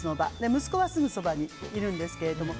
息子はすぐそばにいるんですけれども。